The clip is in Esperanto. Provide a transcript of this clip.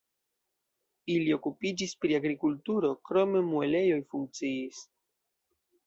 Ili okupiĝis pri agrikulturo, krome muelejoj funkciis.